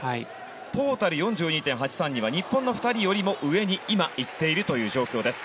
トータル４２．８３２は日本の２人よりも上に今行っているという状況です。